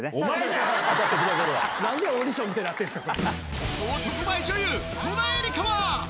何でオーディションみたいになってんすか！